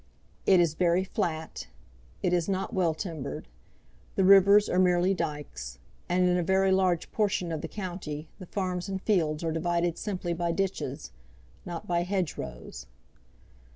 It is very flat; it is not well timbered; the rivers are merely dikes; and in a very large portion of the county the farms and fields are divided simply by ditches not by hedgerows.